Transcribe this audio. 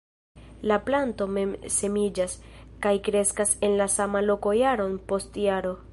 La planto mem-semiĝas, kaj kreskas en la sama loko jaron post jaro.